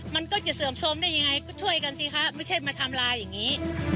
มันก็จะเสื่อมโทรมได้ยังไงก็ช่วยกันสิคะไม่ใช่มาทำลายอย่างนี้